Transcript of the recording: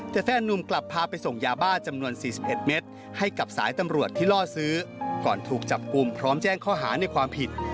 แต่แฟนนุ่มกลับพาไปส่งยาบ้าจำนวน๔๑เม็ดให้กับสายตำรวจที่ล่อซื้อก่อนถูกจับกลุ่มพร้อมแจ้งข้อหาในความผิด